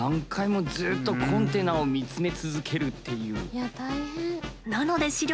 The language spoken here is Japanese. いや大変。